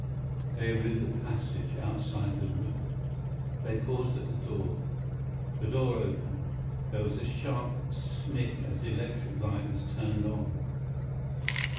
They were in the passage outside the room. They paused at the door. The door opened. There was a sharp snick as the electric light was turned on.